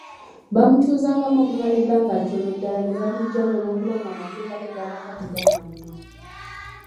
Baamutuuzangamu okumala ebbanga ttono ddala ne bamuggyamu olw’okubanga amagumba ge gaabanga tegannaguma.